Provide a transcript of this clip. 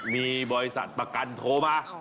มีบริษัทประกันโทรมา